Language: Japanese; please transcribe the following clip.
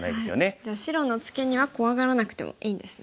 じゃあ白のツケには怖がらなくてもいいんですね。